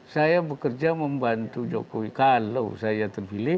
saya bekerja membantu jokowi kalau saya terpilih